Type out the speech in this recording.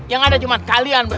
yang ada cuma kalian ber enam